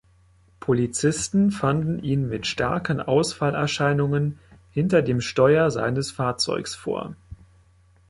Polizisten fanden ihn mit starken Ausfallerscheinungen hinter dem Steuer seines Fahrzeugs vor.